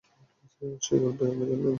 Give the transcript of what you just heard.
আর সেই গল্পই আমরা জানলাম এই লেখায়।